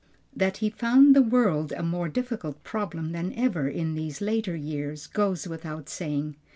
That he found the world a more difficult problem than ever in these later years, goes without saying.